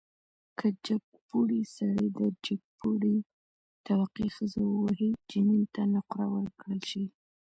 که جګپوړی سړی د جګپوړي طبقې ښځه ووهي، جنین ته نقره ورکړل شي.